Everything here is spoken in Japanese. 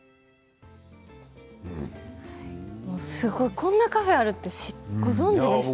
こんなカフェがあるってご存じでした？